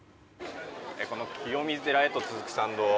清水寺へと続く参道。